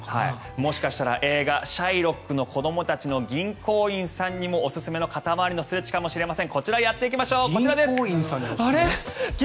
もしかしたら映画「シャイロックの子供たち」の銀行員さんにもおすすめの肩回りのストレッチかもしれません。